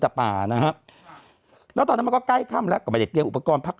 แต่ป่านะครับแล้วตอนนั้นก็ใกล้ค่ำแล้วก็ไปเดี๋ยวอุปกรณ์พัก